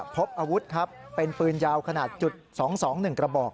พบอาวุธครับเป็นปืนยาวขนาดจุด๒๒๑กระบอก